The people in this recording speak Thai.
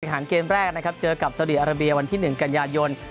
การเกมแรกนะครับเจอกับสาวดีอาราเบียวันที่หนึ่งกัญญาณยนต์